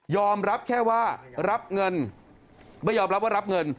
รับแค่ว่ารับเงินไม่ยอมรับว่ารับเงิน